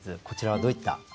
こちらはどういった？